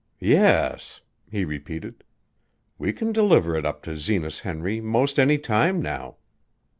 "Yes," he repeated, "we can deliver it up to Zenas Henry 'most anytime now."